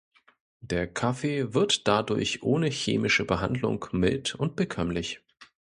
Der Kaffee wird dadurch ohne chemische Behandlung mild und bekömmlich.